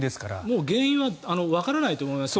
もう原因はわからないと思いますよ。